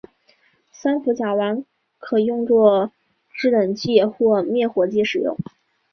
三氟甲烷可用作制冷剂或灭火剂使用。